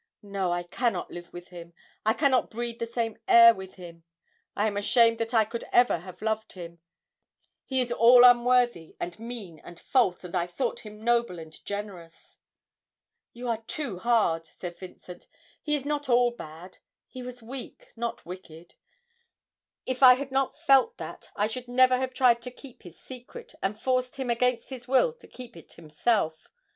No, I cannot live with him. I could not breathe the same air with him. I am ashamed that I could ever have loved him. He is all unworthy, and mean, and false, and I thought him noble and generous!' 'You are too hard,' said Vincent, 'he is not all bad, he was weak not wicked; if I had not felt that, I should never have tried to keep his secret, and forced him, against his will, to keep it himself.